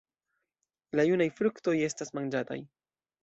La junaj fruktoj estas manĝataj.